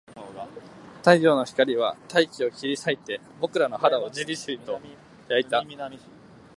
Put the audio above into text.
太陽の光は大気を切り裂いて、僕らの肌をじりじりと焼いた